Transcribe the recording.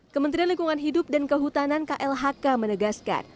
kementerian lingkungan hidup dan kehutanan klhk menegaskan